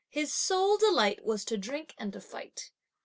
His sole delight was to drink and to fight.